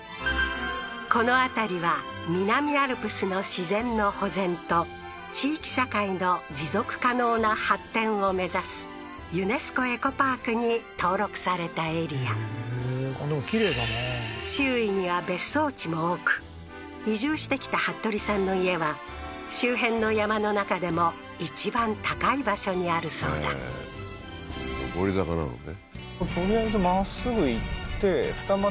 この辺りは南アルプスの自然の保全と地域社会の持続可能な発展を目指すユネスコエコパークに登録されたエリアへえーあっでもきれいだな周囲には別荘地も多く移住してきたハットリさんの家は周辺の山の中でも一番高い場所にあるそうだ上り坂なのね